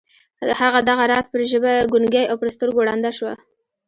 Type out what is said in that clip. هغه دغه راز پر ژبه ګونګۍ او پر سترګو ړنده شوه